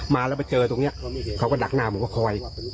มาแล้วไปเจอตรงนี้เขาก็ดักหน้าผมก็คอย